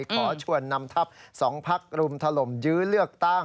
ขอชวนนำทัพ๒พักรุมถล่มยื้อเลือกตั้ง